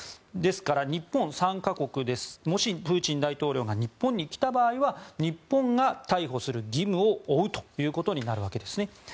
ですから日本参加国でもしプーチン大統領が日本に来た安倍は日本が逮捕する義務を負うということになるわけですね。